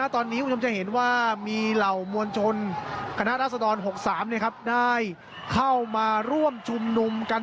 ตอนนี้คุณผู้ชมจะเห็นว่ามีเหล่ามวลชนคณะรัศดร๖๓ได้เข้ามาร่วมชุมนุมกัน